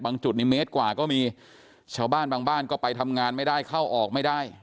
จุดนี้เมตรกว่าก็มีชาวบ้านบางบ้านก็ไปทำงานไม่ได้เข้าออกไม่ได้